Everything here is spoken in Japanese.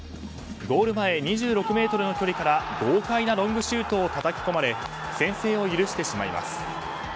ゴール前２６ｍの距離から豪快なロングシュートをたたき込まれ先制を許してしまいます。